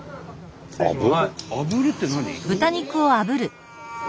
あぶるって何？